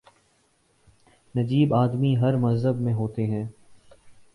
نجیب آدمی ہر مذہب میں ہوتے ہیں۔